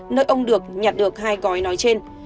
nơi ông được nhặt được hai gói nói trên